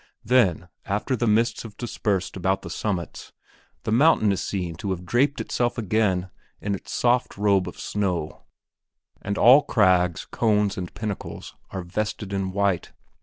Then, after the mists have dispersed about the summits, the mountain is seen to have draped itself again in its soft robe of snow, and all crags, cones, and pinnacles are vested in white.